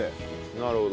なるほど。